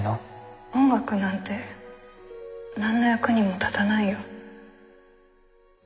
音楽なんて何の役にも立たないよ。